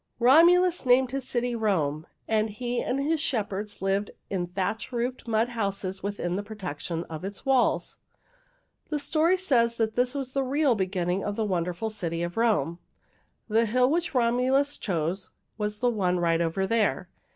"Romulus named his city Rome, and he and his shepherds lived in thatch roofed mud houses within the protection of its walls. "The story says this was the real beginning of the wonderful city of Rome. The hill which Romulus chose was the one right over there.